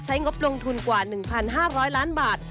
งบลงทุนกว่า๑๕๐๐ล้านบาท